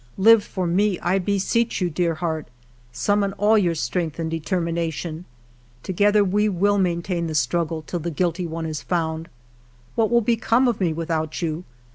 Live for me, I beseech you, dear heart. Summon all your strength and determination. Together we will maintain the struggle till the guilty one is found. What will become of me without you